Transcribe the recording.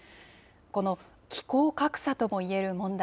この気候格差ともいえる問題。